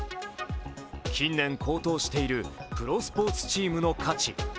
近年高騰しているプロスポーツチームの価値。